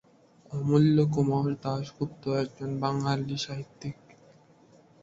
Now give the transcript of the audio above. অমূল্যকুমার দাশগুপ্ত একজন বাঙালি সাহিত্যিক।